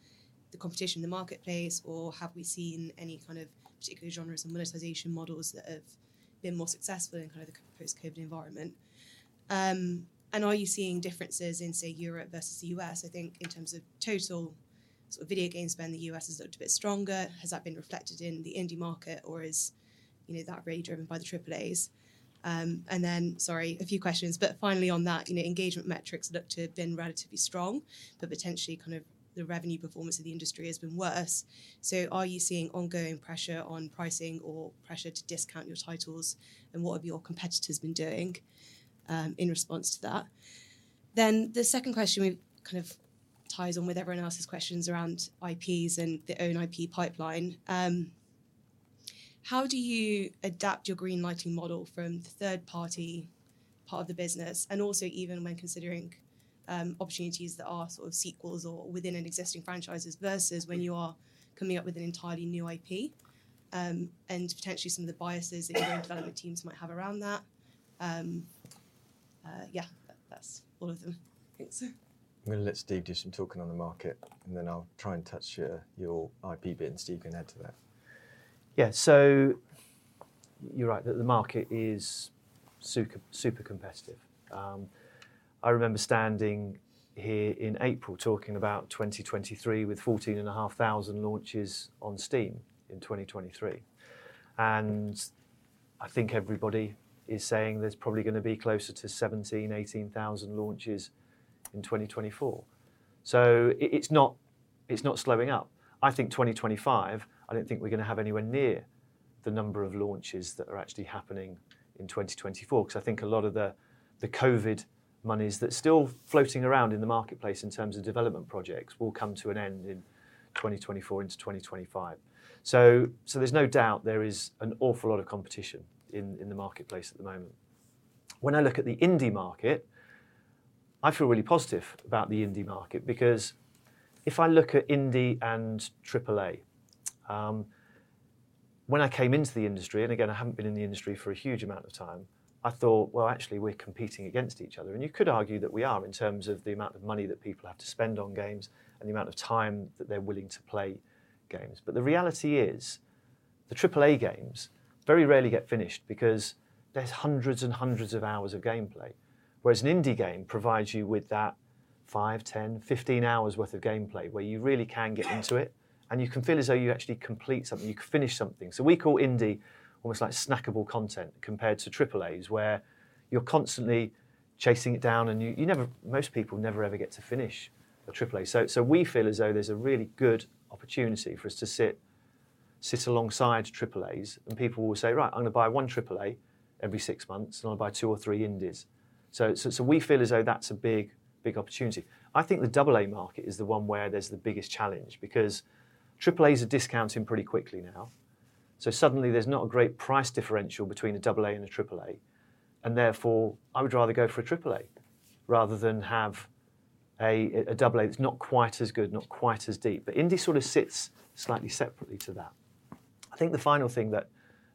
the competition in the marketplace, or have we seen any kind of particular genres and monetization models that have been more successful in kind of the post-COVID environment? And are you seeing differences in, say, Europe versus the US? I think in terms of total sort of video game spend, the US has looked a bit stronger. Has that been reflected in the indie market, or is, you know, that really driven by the Triple-As? And then, sorry, a few questions, but finally on that, you know, engagement metrics look to have been relatively strong, but potentially kind of the revenue performance of the industry has been worse. So are you seeing ongoing pressure on pricing or pressure to discount your titles, and what have your competitors been doing, in response to that? Then the second question kind of ties on with everyone else's questions around IPs and their own IP pipeline. How do you adapt your greenlighting model from the third-party part of the business, and also even when considering, opportunities that are sort of sequels or within an existing franchises, versus when you are coming up with an entirely new IP, and potentially some of the biases that your development teams might have around that? Yeah, that's all of them. Thanks. Gonna let Steve do some talking on the market, and then I'll try and touch your IP bit, and Steve can add to that. Yeah, so you're right that the market is super, super competitive. I remember standing here in April talking about 2023, with 14,500 launches on Steam in 2023. And I think everybody is saying there's probably gonna be closer to 17,000-18,000 launches in 2024. So it's not, it's not slowing up. I think 2025, I don't think we're gonna have anywhere near the number of launches that are actually happening in 2024, 'cause I think a lot of the, the COVID monies that are still floating around in the marketplace in terms of development projects will come to an end in 2024 into 2025. So, so there's no doubt there is an awful lot of competition in, in the marketplace at the moment. When I look at the indie market, I feel really positive about the indie market, because if I look at indie and Triple-A, when I came into the industry, and again, I haven't been in the industry for a huge amount of time, I thought, "Well, actually, we're competing against each other," and you could argue that we are in terms of the amount of money that people have to spend on games and the amount of time that they're willing to play games. But the reality is, the Triple-A games very rarely get finished because there's hundreds and hundreds of hours of gameplay, whereas an indie game provides you with that five, 10, 15 hours worth of gameplay, where you really can get into it, and you can feel as though you actually complete something, you can finish something. We call indie almost like snackable content compared to Triple-As, where you're constantly chasing it down, and you never... most people never, ever get to finish a Triple-A. We feel as though there's a really good opportunity for us to sit alongside Triple-As, and people will say, "Right, I'm gonna buy one Triple-A every six months, and I'll buy two or three indies." We feel as though that's a big opportunity. I think the Double-A market is the one where there's the biggest challenge, because Triple-As are discounting pretty quickly now, so suddenly there's not a great price differential between a Double-A and a Triple-A, and therefore, I would rather go for a Triple-A, rather than have a Double-A that's not quite as good, not quite as deep. But indie sort of sits slightly separately to that. I think the final thing that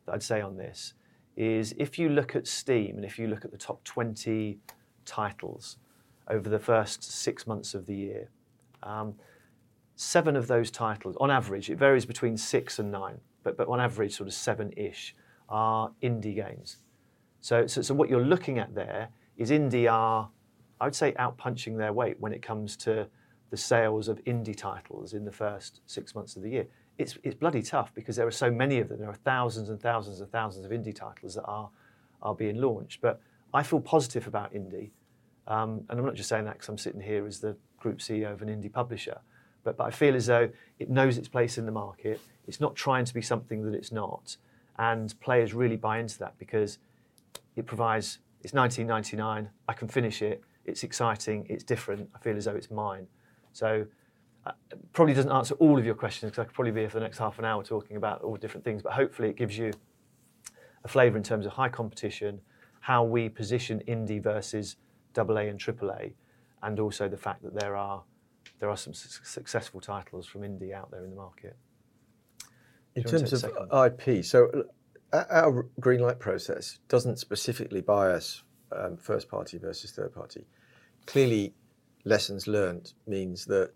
I'd say on this is if you look at Steam, and if you look at the top 20 titles over the first six months of the year, seven of those titles, on average, it varies between six and nine, but on average, sort of seven-ish, are indie games. So what you're looking at there is indie are, I would say, out-punching their weight when it comes to the sales of indie titles in the first six months of the year. It's bloody tough because there are so many of them. There are thousands and thousands and thousands of indie titles that are being launched. But I feel positive about indie, and I'm not just saying that because I'm sitting here as the group CEO of an indie publisher, but I feel as though it knows its place in the market. It's not trying to be something that it's not, and players really buy into that because it provides... It's 19.99. I can finish it. It's exciting. It's different. I feel as though it's mine. So, it probably doesn't answer all of your questions, because I could probably be here for the next half an hour talking about all the different things, but hopefully it gives you a flavor in terms of high competition, how we position indie versus Double-A and Triple-A, and also the fact that there are some successful titles from indie out there in the market. Do you want to take the second? In terms of IP, our greenlight process doesn't specifically bias first party versus third party. Clearly, lessons learned means that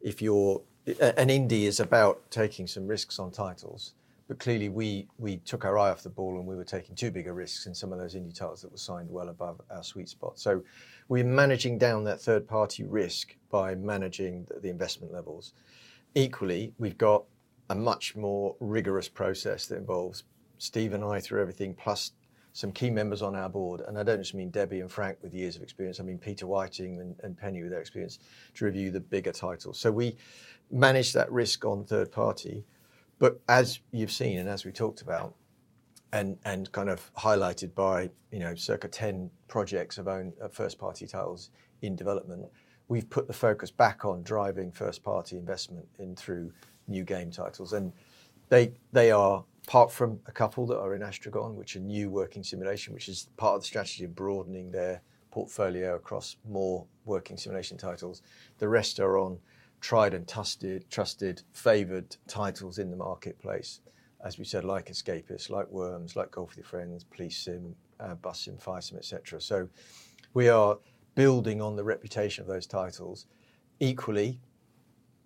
if you're an indie is about taking some risks on titles, but clearly, we took our eye off the ball, and we were taking too big a risks in some of those indie titles that were signed well above our sweet spot. So we're managing down that third-party risk by managing the investment levels. Equally, we've got a much more rigorous process that involves Steve and I through everything, plus some key members on our board, and I don't just mean Debbie and Frank with years of experience. I mean Peter Whiting and Penny with their experience to review the bigger titles. We manage that risk on third party, but as you've seen, and as we talked about, and kind of highlighted by, you know, circa ten projects of first-party titles in development, we've put the focus back on driving first-party investment in through new game titles. They are, apart from a couple that are in Astragon, which are new working simulation, which is part of the strategy of broadening their portfolio across more working simulation titles, the rest are on tried and trusted, favored titles in the marketplace, as we said, like Escapists, like Worms, like Golf With Your Friends, Police Sim, Bus Sim, Fire Sim, et cetera. We are building on the reputation of those titles. Equally,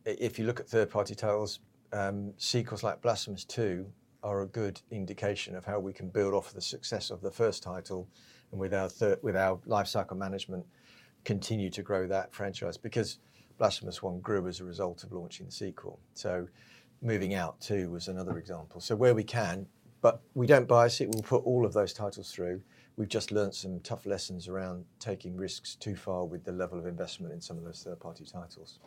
if you look at third-party titles, sequels like Blasphemous 2 are a good indication of how we can build off the success of the first title, and with our lifecycle management, continue to grow that franchise, because Blasphemous 1 grew as a result of launching the sequel. So Moving Out 2 was another example. So where we can, but we don't bias it. We'll put all of those titles through. We've just learned some tough lessons around taking risks too far with the level of investment in some of those third-party titles.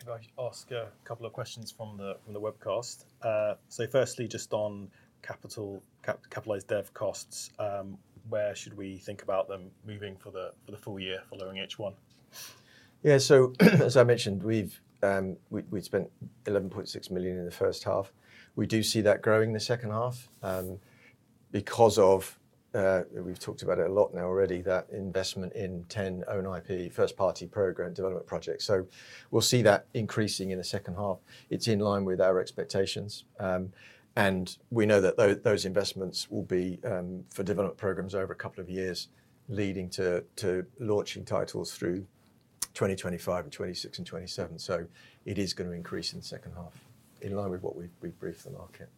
If I could ask a couple of questions from the webcast. So firstly, just on capitalized dev costs, where should we think about them moving for the full year following H1? Yeah, so as I mentioned, we've spent 11.6 million in the first half. We do see that growing in the second half, because we've talked about it a lot now already, that investment in our own first-party IP program development projects. So we'll see that increasing in the second half. It's in line with our expectations. And we know that those investments will be for development programs over a couple of years, leading to launching titles through 2025 and 2026 and 2027. So it is gonna increase in the second half, in line with what we've briefed the market.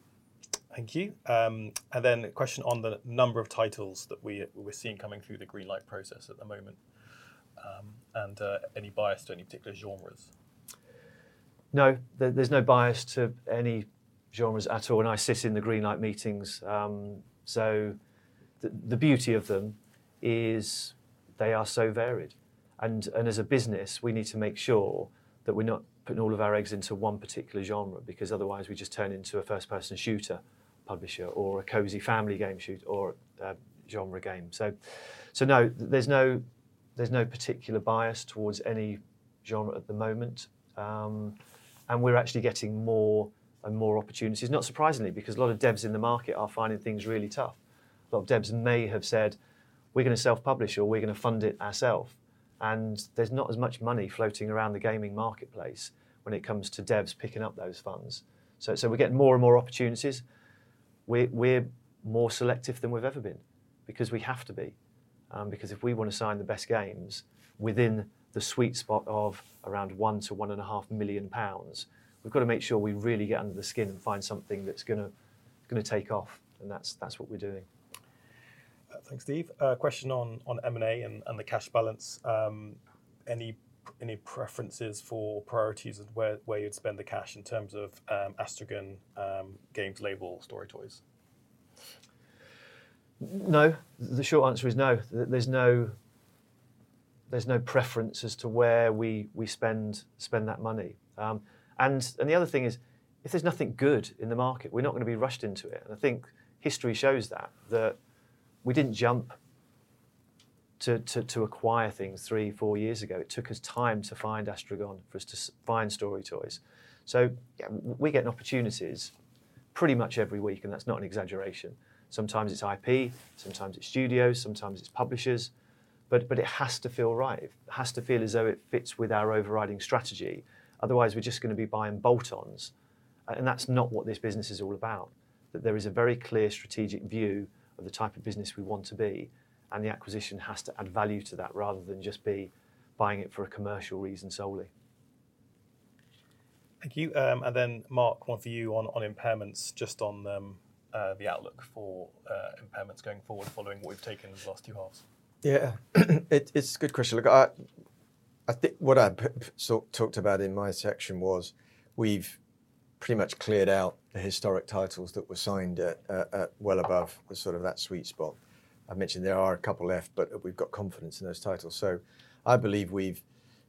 Thank you. And then a question on the number of titles that we're seeing coming through the Greenlight process at the moment, and any bias to any particular genres? No, there's no bias to any genres at all when I sit in the greenlight meetings. So the beauty of them is they are so varied, and as a business, we need to make sure that we're not putting all of our eggs into one particular genre, because otherwise we just turn into a first-person shooter publisher or a cozy family game studio or a genre game. So no, there's no particular bias towards any genre at the moment. And we're actually getting more and more opportunities, not surprisingly, because a lot of devs in the market are finding things really tough. A lot of devs may have said, "We're gonna self-publish or we're gonna fund it ourself," and there's not as much money floating around the gaming marketplace when it comes to devs picking up those funds. We're getting more and more opportunities. We're more selective than we've ever been, because we have to be, because if we wanna sign the best games within the sweet spot of around 1-1.5 million pounds, we've gotta make sure we really get under the skin and find something that's gonna take off, and that's what we're doing. Thanks, Steve. A question on M&A and the cash balance. Any preferences for priorities of where you'd spend the cash in terms of Astragon, Games Label, StoryToys? No. The short answer is no. There's no preference as to where we spend that money. And the other thing is, if there's nothing good in the market, we're not gonna be rushed into it, and I think history shows that we didn't jump to acquire things three, four years ago. It took us time to find Astragon, for us to find StoryToys. So, yeah, we're getting opportunities pretty much every week, and that's not an exaggeration. Sometimes it's IP, sometimes it's studios, sometimes it's publishers, but it has to feel right. It has to feel as though it fits with our overriding strategy, otherwise we're just gonna be buying bolt-ons, and that's not what this business is all about. That there is a very clear strategic view of the type of business we want to be, and the acquisition has to add value to that, rather than just be buying it for a commercial reason solely. Thank you. And then, Mark, one for you on impairments, just on the outlook for impairments going forward, following what we've taken in the last two halves. Yeah, it's a good question. Look, I think what I previously talked about in my section was, we've pretty much cleared out the historic titles that were signed at well above the sort of that sweet spot. I've mentioned there are a couple left, but we've got confidence in those titles. So I believe we've,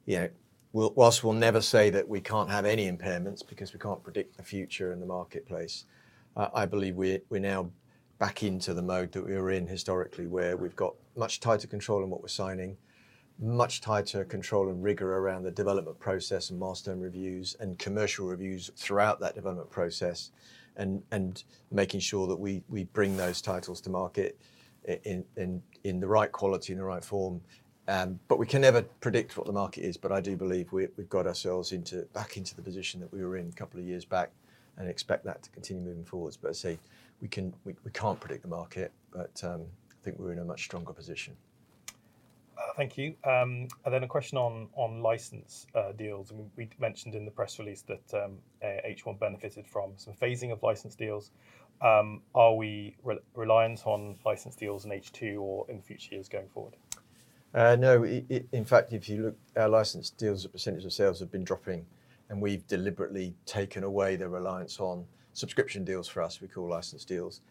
you know, whilst we'll never say that we can't have any impairments, because we can't predict the future in the marketplace. I believe we're now back into the mode that we were in historically, where we've got much tighter control on what we're signing, much tighter control and rigor around the development process and milestone reviews, and commercial reviews throughout that development process, and making sure that we bring those titles to market in the right quality and the right form. But we can never predict what the market is, but I do believe we've got ourselves back into the position that we were in a couple of years back, and expect that to continue moving forward. But as I say, we can. We can't predict the market, but I think we're in a much stronger position. Thank you. Then a question on license deals. I mean, we'd mentioned in the press release that H1 benefited from some phasing of license deals. Are we reliant on license deals in H2 or in future years going forward? No, in fact, if you look at our license deals, the percentage of sales have been dropping, and we've deliberately taken away the reliance on subscription deals for us, we call license deals.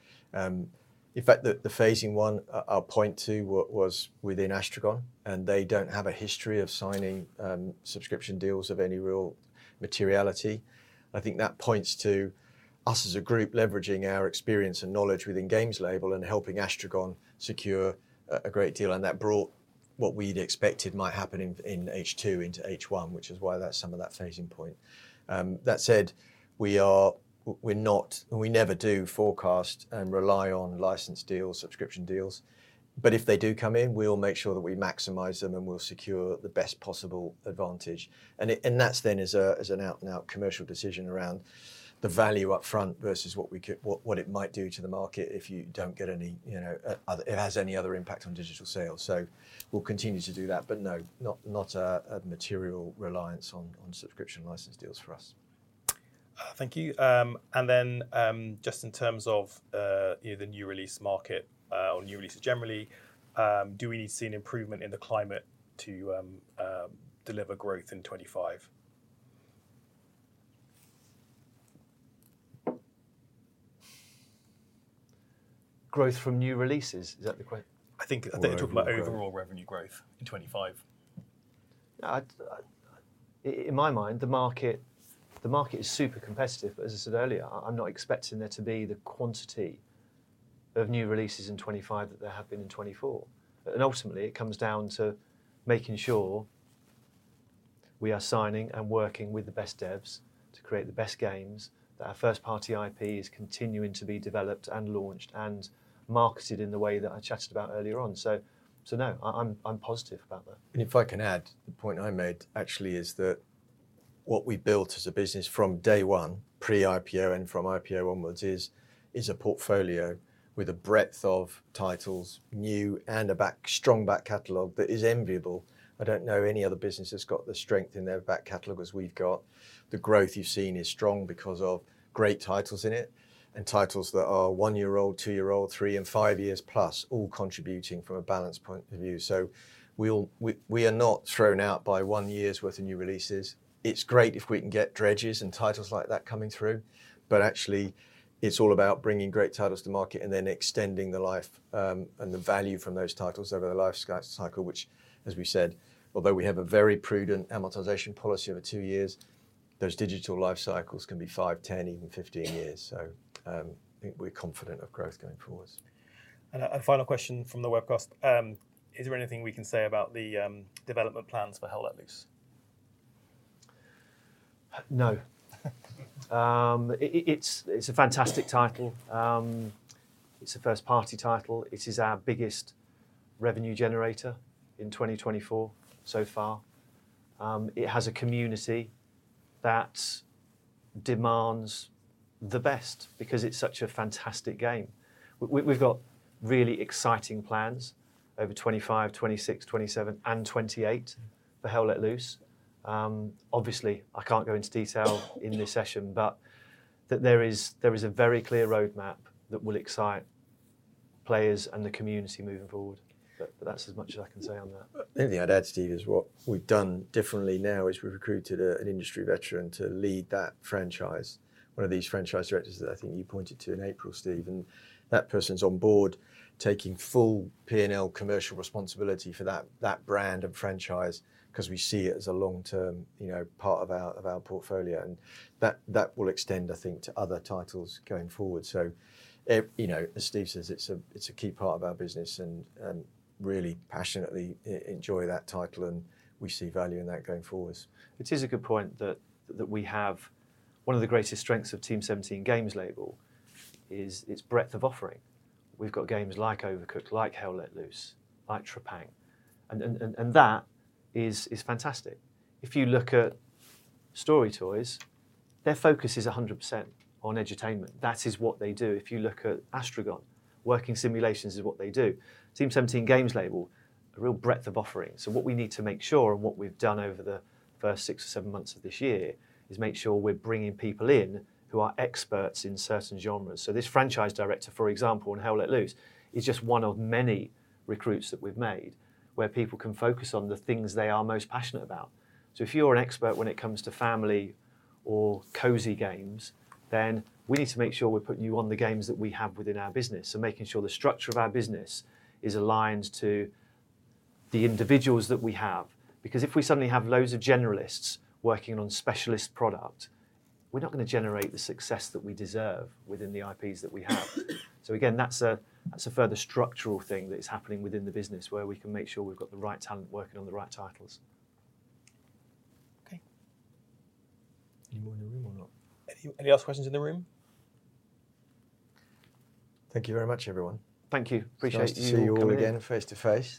In fact, the phasing one, which was within Astragon, and they don't have a history of signing subscription deals of any real materiality. I think that points to us as a group leveraging our experience and knowledge within Games Label and helping Astragon secure a great deal, and that brought what we'd expected might happen in H2 into H1, which is why that's some of that phasing point. That said, we are... We're not, and we never do forecast and rely on license deals, subscription deals, but if they do come in, we'll make sure that we maximize them, and we'll secure the best possible advantage. And it, and that's then as a, as an out-and-out commercial decision around the value up front, versus what we could, what it might do to the market if you don't get any, you know, other. It has any other impact on digital sales. So we'll continue to do that, but no, not a material reliance on subscription license deals for us. Thank you. And then, just in terms of, you know, the new release market, or new releases generally, do we see an improvement in the climate to deliver growth in 2025? Growth from new releases, is that the que- I think- Revenue growth. I think they're talking about overall revenue growth in 2025. I'd in my mind, the market is super competitive. But as I said earlier, I'm not expecting there to be the quantity of new releases in 2025 that there have been in 2024. And ultimately, it comes down to making sure we are signing and working with the best devs to create the best games, that our first-party IP is continuing to be developed and launched, and marketed in the way that I chatted about earlier on. So no, I'm positive about that. If I can add, the point I made actually is that what we built as a business from day one, pre-IPO and from IPO onwards, is a portfolio with a breadth of titles, new and a strong back catalog that is enviable. I don't know any other business that's got the strength in their back catalog as we've got. The growth you've seen is strong because of great titles in it, and titles that are one-year-old, two-year-old, three and five-years-plus, all contributing from a balanced point of view. We are not thrown out by one year's worth of new releases. It's great if we can get Dredges and titles like that coming through, but actually, it's all about bringing great titles to market and then extending the life, and the value from those titles over the life cycle, which, as we said, although we have a very prudent amortization policy over two years... those digital life cycles can be five, 10, even 15 years. So, I think we're confident of growth going forwards. And final question from the webcast, is there anything we can say about the development plans for Hell Let Loose? No. It's a fantastic title. It's a first-party title. It is our biggest revenue generator in 2024 so far. It has a community that demands the best because it's such a fantastic game. We've got really exciting plans over 2025, 2026, 2027, and 2028 for Hell Let Loose. Obviously, I can't go into detail in this session, but that there is a very clear roadmap that will excite players and the community moving forward. But that's as much as I can say on that. The only thing I'd add, Steve, is what we've done differently now is we've recruited an industry veteran to lead that franchise, one of these franchise directors that I think you pointed to in April, Steve, and that person's on board taking full P&L commercial responsibility for that brand and franchise, 'cause we see it as a long-term, you know, part of our portfolio, and that will extend, I think, to other titles going forward. So you know, as Steve says, it's a key part of our business and really passionately enjoy that title, and we see value in that going forwards. It is a good point that we have. One of the greatest strengths of Team17 Games Label is its breadth of offering. We've got games like Overcooked, like Hell Let Loose, like Trepang, and that is fantastic. If you look at StoryToys, their focus is 100% on edutainment. That is what they do. If you look at Astragon, working simulations is what they do. Team17 Games Label, a real breadth of offering, so what we need to make sure, and what we've done over the first six or seven months of this year, is make sure we're bringing people in who are experts in certain genres. So this franchise director, for example, in Hell Let Loose, is just one of many recruits that we've made where people can focus on the things they are most passionate about. If you're an expert when it comes to family or cozy games, then we need to make sure we're putting you on the games that we have within our business, so making sure the structure of our business is aligned to the individuals that we have. Because if we suddenly have loads of generalists working on specialist product, we're not gonna generate the success that we deserve within the IPs that we have. So again, that's a further structural thing that is happening within the business, where we can make sure we've got the right talent working on the right titles. Okay. Any more in the room or not? Any other questions in the room? Thank you very much, everyone. Thank you. Appreciate you all coming. Nice to see you all again face to face.